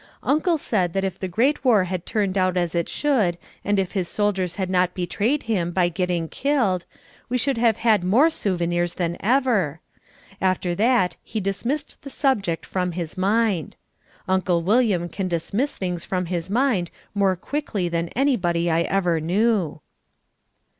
Uncle said that if the Great War had turned out as it should and if his soldiers had not betrayed him by getting killed, we should have had more souvenirs than ever. After that he dismissed the subject from his mind. Uncle William can dismiss things from his mind more quickly than anybody I ever knew.